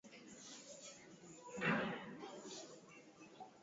ataongoza tafrija hiyo na mke wa Rais Jill Biden atatoa hotuba